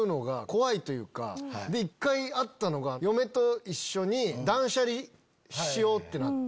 一回あったのが嫁と一緒に断捨離しよう！ってなって。